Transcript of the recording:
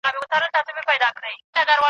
شاګرد د لوړ ږغ سره پاڼه نه ړنګوي.